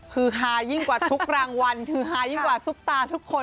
คือฮายิ่งกว่าทุกรางวัลคือฮายิ่งกว่าซุปตาทุกคน